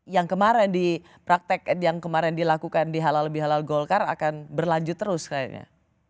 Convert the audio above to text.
yang kemarin di praktek yang kemarin dilakukan di halal bihalal golkar akan berlanjut terus kayaknya